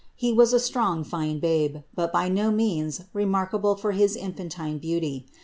He was a strong, fine babe, but by no means remarkable for his infantine beauty.